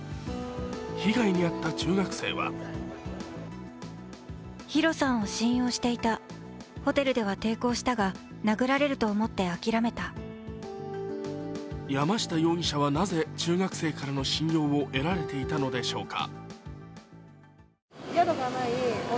被害に遭った中学生は山下容疑者はなぜ中学生からの信用を得られていたのでしょうか。